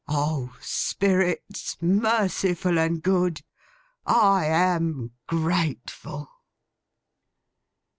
O Spirits, merciful and good, I am grateful!